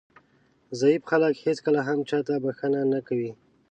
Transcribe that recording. ضعیف خلک هېڅکله هم چاته بښنه نه کوي.